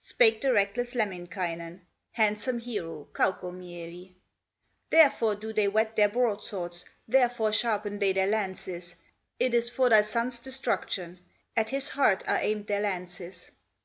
Spake the reckless Lemminkainen, Handsome hero, Kaukomieli: "Therefore do they whet their broadswords, Therefore sharpen they their lances: It is for thy son's destruction, At his heart are aimed their lances.